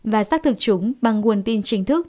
và xác thực chúng bằng nguồn tin chính thức